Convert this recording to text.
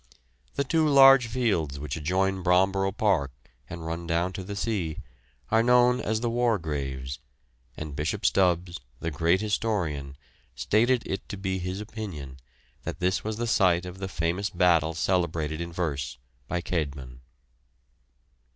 The two large fields which adjoin Bromborough Park and run down to the sea are known as the "Wargraves," and Bishop Stubbs, the great historian, stated it to be his opinion that this was the site of the famous battle celebrated in verse by Cædmon.